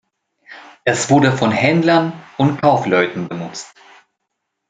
Es wurde von Händlern und Kaufleuten benutzt.